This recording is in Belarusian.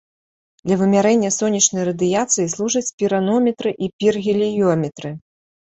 Для вымярэння сонечнай радыяцыі служаць піранометры і піргеліёметры.